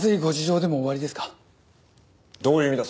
どういう意味だ？